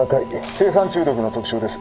青酸中毒の特徴です。